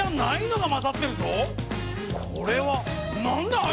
これはなんだい？